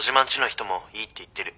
人もいいって言ってる。